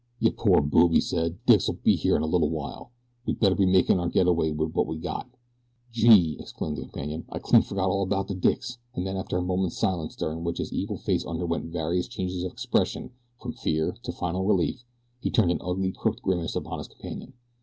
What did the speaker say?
"Yeh poor boob," he said. "De dicks'll be here in a little while. We'd better be makin' our get away wid w'at we got." "Gee!" exclaimed his companion. "I clean forgot all about de dicks," and then after a moment's silence during which his evil face underwent various changes of expression from fear to final relief, he turned an ugly, crooked grimace upon his companion.